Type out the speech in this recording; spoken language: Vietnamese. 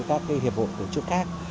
các hiệp hội tổ chức khác